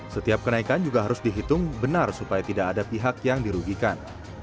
setiap kenaikan juga harus dihitung benar supaya tidak ada pihak yang dirugikan